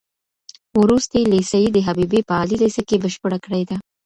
وروستۍ ليسه يې د حبيبيې په عالي ليسه کې بشپړه کړې ده.